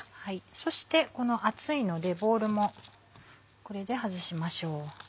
そして熱いのでボウルもこれで外しましょう。